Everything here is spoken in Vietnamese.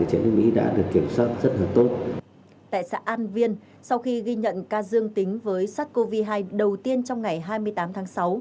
tại xã an viên sau khi ghi nhận ca dương tính với sars cov hai đầu tiên trong ngày hai mươi tám tháng sáu